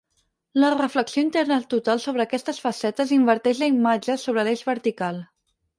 La reflexió interna total sobre aquestes facetes inverteix la imatge sobre l'eix vertical.